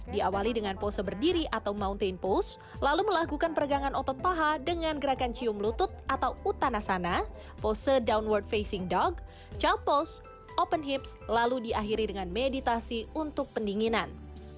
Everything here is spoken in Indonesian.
diawali dengan pose berdiri atau mountain pose lalu melakukan peregangan otot paha dengan gerakan cium lutut atau utanasana pose downward facing dog child post open hips lalu diakhiri dengan meditasi untuk pendinginan